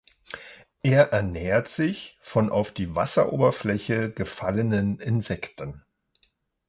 Er ernährt sich von auf die Wasseroberfläche gefallenen Insekten.